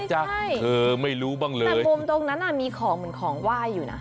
ใช่เธอไม่รู้บ้างเลยแต่มุมตรงนั้นอ่ะมีของเหมือนของไหว้อยู่นะ